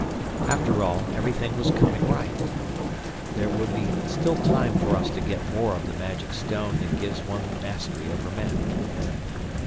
After all, everything was coming right. There would be still time for us to get more of the magic stone that gives one mastery over men.